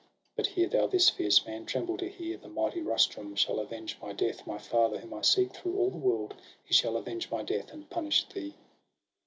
But hear thou this, fierce man, tremble to hear: The mighty Rustum shall avenge my death ! My father, whom I seek through all the world. He shall avenge my death, and punish thee!'